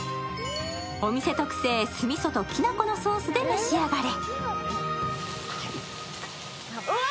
お店特製酢味噌ときなこのソースで召し上がれ。